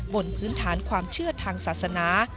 บนพื้นฐานความเชื่อทางศาสนา